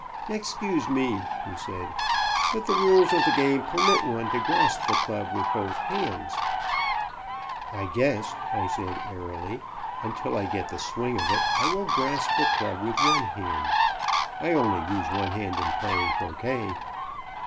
"Excuse me," he said, "but the rules of the game permit one to grasp the club with both hands." "I guess," I said airily, "until I get the swing of it I will grasp the club with one hand. I only use one hand in playing croquet."